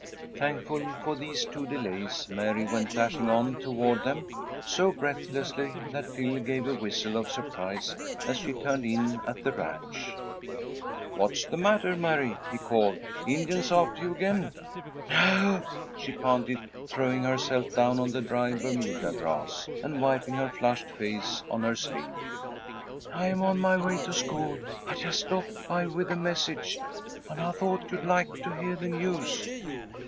Thankful for these two delays, Mary went dashing on toward them so breathlessly that Phil gave a whistle of surprise as she turned in at the ranch. "What's the matter, Mary?" he called. "Indians after you again?" "No," she panted, throwing herself down on the dry Bermuda grass, and wiping her flushed face on her sleeve. "I'm on my way to school. I just stopped by with a message, and I thought you'd like to hear the news."